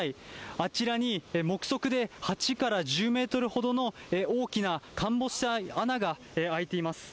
あちらに目測で８から１０メートルほどの大きな陥没した穴が空いています。